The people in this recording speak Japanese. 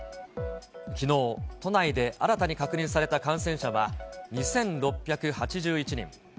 きのう、都内で新たに確認された感染者は２６８１人。